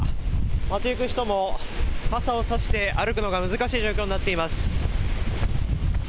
街行く人も、傘を差して歩くのが難しい状況になっています。